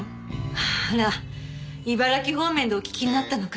あら茨城方面でお聞きになったのかしら。